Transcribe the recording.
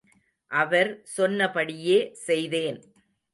அவர் சொன்னபடியே செய்தேன்.